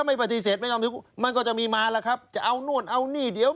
มันก็จะมีมาละครับจะเอานู่นเอานี่เดี๋ยว